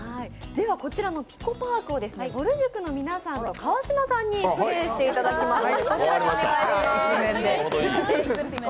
こちらの「ＰＩＣＯＰＡＲＫ」をぼる塾の皆さんと川島さんプレーしていただきます。